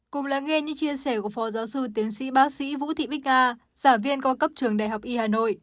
cùng lắng nghe như chia sẻ của phó giáo sư tiến sĩ bác sĩ vũ thị bích nga giả viên qua cấp trường đại học y hà nội